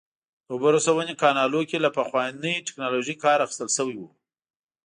د اوبو رسونې کانالونو کې له پخوانۍ ټکنالوژۍ کار اخیستل شوی و